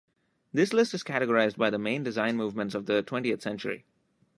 This list is categorized by the main design movements of the twentieth century.